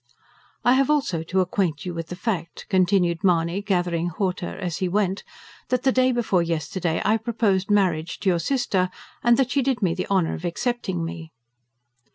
"I have also to acquaint you with the fact," continued Mahony, gathering hauteur as he went, "that the day before yesterday I proposed marriage to your sister, and that she did me the honour of accepting me."